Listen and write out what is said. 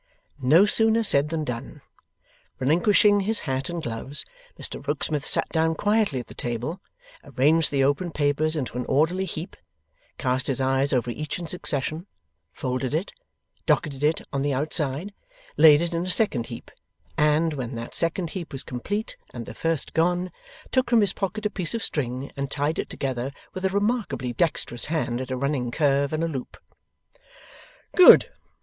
No sooner said than done. Relinquishing his hat and gloves, Mr Rokesmith sat down quietly at the table, arranged the open papers into an orderly heap, cast his eyes over each in succession, folded it, docketed it on the outside, laid it in a second heap, and, when that second heap was complete and the first gone, took from his pocket a piece of string and tied it together with a remarkably dexterous hand at a running curve and a loop. 'Good!